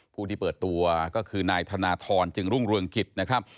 ผู้ที่เปิดตัวก็คือนายธนทรจึงรุ่งเรืองกิจนะครับ